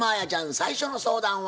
最初の相談は？